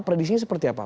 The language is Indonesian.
prediksinya seperti apa